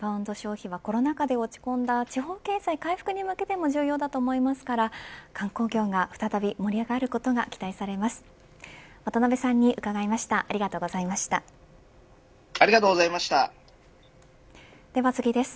インバウンド消費はコロナ禍で落ち込んだ地方経済回復に向けても重要だと思いますから観光業が再び盛り上がることが期待されます。